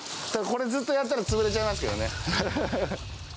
これ、ずっとやったら潰れちゃいますけどね。